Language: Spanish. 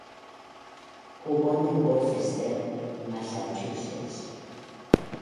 Jugó con Worcester, Massachusetts.